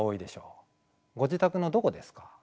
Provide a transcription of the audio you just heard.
ご自宅のどこですか？